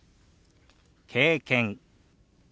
「経験」。